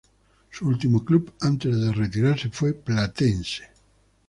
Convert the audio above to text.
Su último club antes de retirarse fue Platense.